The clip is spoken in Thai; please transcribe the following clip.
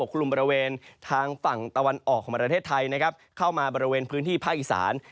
เข้ามาบริเวณพื้นที่ภาคอีสาน